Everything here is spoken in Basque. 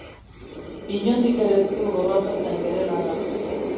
Inondik ere ez du gorrotatzen bere lana.